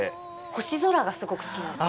星空がすごく好きなんですよ。